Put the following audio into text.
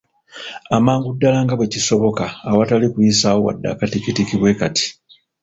Amangu ddala nga bwe kisoboka awatali kuyisaawo wadde akatikitiki bwe kati.